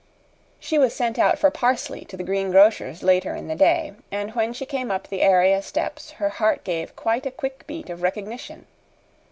She was sent out for parsley to the greengrocer's later in the day, and when she came up the area steps her heart gave quite a quick beat of recognition.